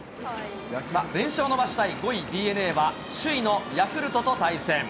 連勝を伸ばしたい５位ＤｅＮＡは、首位のヤクルトと対戦。